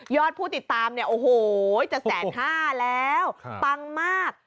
ผู้ติดตามเนี่ยโอ้โหจะแสนห้าแล้วปังมาก